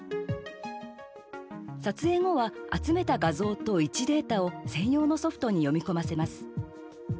撮影後は、集めた画像と位置データを専用のソフトに読み込ませます。